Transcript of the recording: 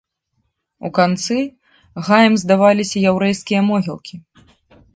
У канцы гаем здаваліся яўрэйскія могілкі.